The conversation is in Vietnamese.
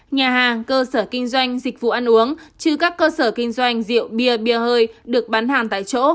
nhà hàng cơ sở kinh doanh dịch vụ ăn uống chứ các cơ sở kinh doanh rượu bia bia hơi được bán hàn tại chỗ